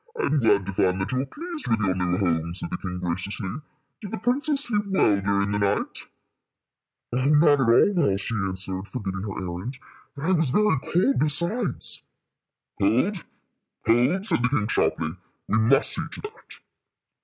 "I am glad to find that you are pleased with your new home," said the king, graciously. "Did the princess sleep well during the night?" "Oh, not at all well," she answered, forgetting her errand. "And I was very cold, besides." "Cold? cold?" said the king, sharply. "We must see to that."